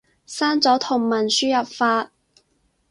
刪咗同文輸入法